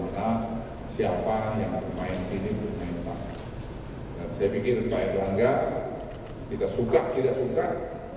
golkar jangan mau dimanfaatkan